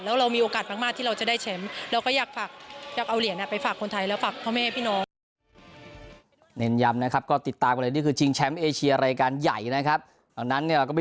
แล้วเรามีโอกาสมากที่เราจะได้แชมป์